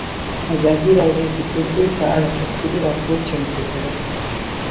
ازادي راډیو د کلتور په اړه تفصیلي راپور چمتو کړی.